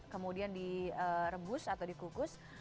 kemudian direbus atau dikukus